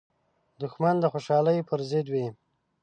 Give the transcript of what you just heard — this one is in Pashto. دښمن د خوشحالۍ پر ضد وي